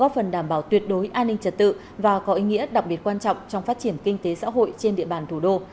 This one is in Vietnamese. việc đối an ninh trật tự và có ý nghĩa đặc biệt quan trọng trong phát triển kinh tế xã hội trên địa bàn thủ đô